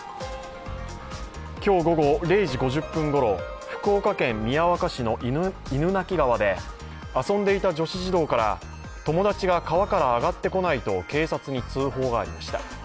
今日午後０時５０分ごろ福岡県宮若市の犬鳴川で遊んでいた女子児童から友達が川から上がってこないと警察に通報がありました。